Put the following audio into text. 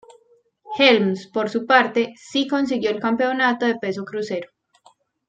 Helms, por su parte, sí consiguió el Campeonato de Peso Crucero.